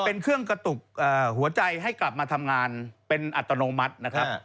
เป็นเครื่องกระตุกหัวใจให้กลับมาทำงานเป็นอัตโนมัตินะครับ